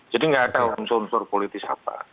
jadi nggak ada unsur unsur politis apa